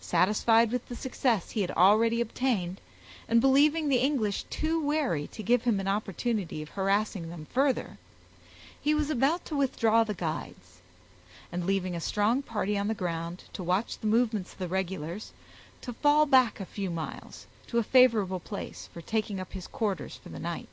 Satisfied with the success he had already obtained, and believing the English too wary to give him an opportunity of harassing them further, he was about to withdraw the guides; and, leaving a strong party on the ground to watch the movements of the regulars, to fall back a few miles, to a favorable place for taking up his quarters for the night.